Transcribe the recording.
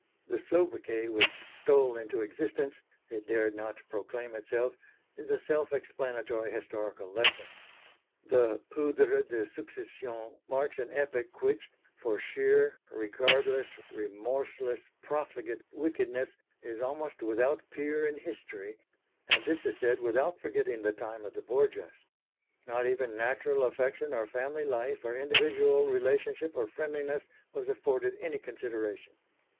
The soubriquet which stole into existence it dared not proclaim itself is a self explanatory historical lesson. The poudre de succession marks an epoch which, for sheer, regardless, remorseless, profligate wickedness is almost without peer in history, and this is said without forgetting the time of the Borgias. Not even natural affection or family life or individual relationship or friendliness was afforded any consideration.